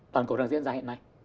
toàn cầu đang diễn ra hiện nay